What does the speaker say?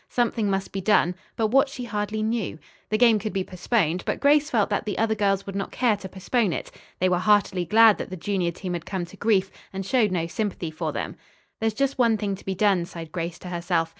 Something must be done, but what she hardly knew. The game could be postponed, but Grace felt that the other girls would not care to postpone it. They were heartily glad that the junior team had come to grief, and showed no sympathy for them. "There's just one thing to be done," sighed Grace to herself.